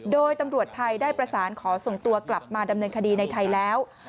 โดยตำรวจไทยได้ประสานขอส่งตัวกลับมาดำเนินคดีในไทยแล้ว